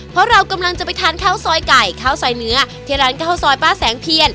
เพราะเรากำลังจะไปทานข้าวซอยไก่ข้าวซอยเนื้อที่ร้านข้าวซอยป้าแสงเพียน